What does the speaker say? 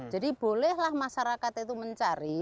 jadi bolehlah masyarakat itu mencari